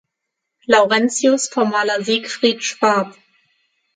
Laurentius vom Maler Siegfried Schwab.